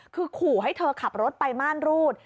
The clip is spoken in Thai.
คือขู่ให้เธอขับรถไปม่านรูด